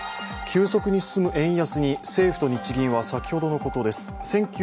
急速に進む円安に政府と日銀は、先ほどの速報です。